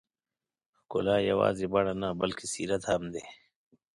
ښکلا یوازې بڼه نه، بلکې سیرت هم دی.